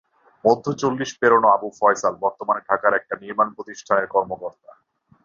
মধ্য চল্লিশ পেরোনো আবু ফয়সাল বর্তমানে ঢাকার একটি নির্মাণ প্রতিষ্ঠানের কর্মকর্তা।